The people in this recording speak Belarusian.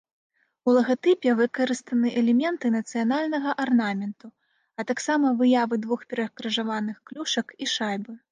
У лагатыпе выкарыстаны элементы нацыянальнага арнаменту, а таксама выявы двух перакрыжаваных клюшак і шайбы.